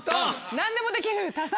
何でもできる多才。